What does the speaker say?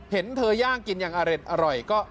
เห็นเธอย่างกินอย่างอร่อยก็